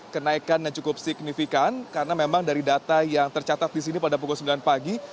kenaikan yang cukup signifikan karena memang dari data yang tercatat di sini pada pukul sembilan pagi